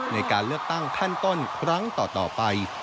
ในการเลือกตั้งขั้นต้นครั้งต่อไป